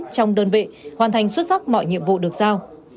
trong đơn vị hoàn thành xuất sắc mọi nhiệm vụ được giao